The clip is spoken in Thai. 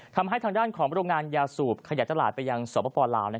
ทำให้ทางด้านของโรงงานยาสูบขยายตลาดไปยังสปลาว